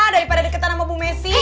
daripada deketan sama bu messi